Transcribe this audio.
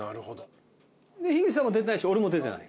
樋口さんも出てないし俺も出てない。